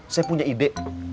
saya punya ide